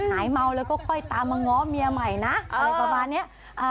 หายเมาแล้วก็ค่อยตามมาง้อเมียใหม่นะอะไรประมาณเนี้ยอ่า